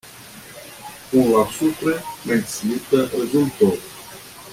Kun la supre menciita rezulto.